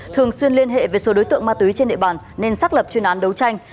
thường xuyên liên hệ với số đối tượng ma túy trên địa bàn nên xác lập chuyên án đấu tranh